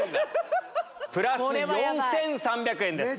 プラス４３００円です。